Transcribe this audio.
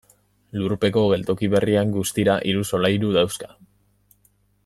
Lurpeko geltoki berriak guztira hiru solairu dauzka.